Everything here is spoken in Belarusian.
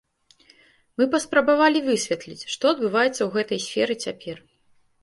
Мы паспрабавалі высветліць, што адбываецца ў гэтай сферы цяпер.